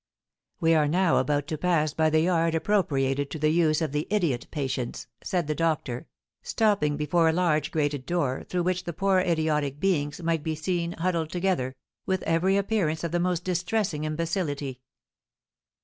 "We are now about to pass by the yard appropriated to the use of the idiot patients," said the doctor, stopping before a large grated door, through which the poor idiotic beings might be seen huddled together, with every appearance of the most distressing imbecility.